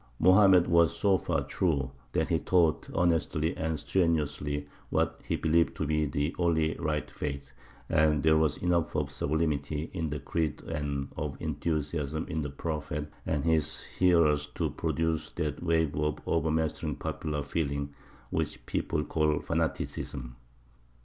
Mohammed was so far true, that he taught honestly and strenuously what he believed to be the only right faith, and there was enough of sublimity in the creed and of enthusiasm in the Prophet and his hearers to produce that wave of overmastering popular feeling which people call fanaticism.